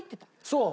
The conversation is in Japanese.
そう。